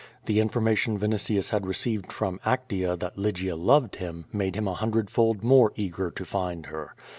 The infor mation Vinitius had received from Actea that Lygia loved him, made him a hundred fold more eager to find her.